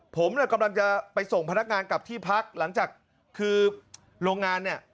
ผมกำลังจะไปส่งพนักงานกลับที่พักหลังจากคือโรงงานเนี่ย